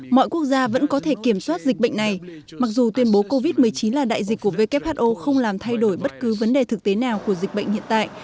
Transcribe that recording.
mọi quốc gia vẫn có thể kiểm soát dịch bệnh này mặc dù tuyên bố covid một mươi chín là đại dịch của who không làm thay đổi bất cứ vấn đề thực tế nào của dịch bệnh hiện tại